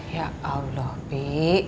ya allah bi